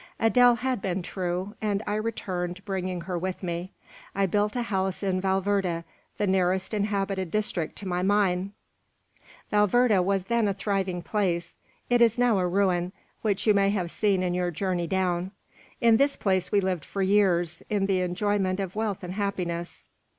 "Adele had been true; and I returned, bringing her with me. "I built a house in Valverde, the nearest inhabited district to my mine. "Valverde was then a thriving place; it is now a ruin, which you may have seen in your journey down. "In this place we lived for years, in the enjoyment of wealth and happiness.